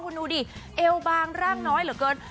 คุณดูดิเอวบางร่างน้อยเหลือเกิน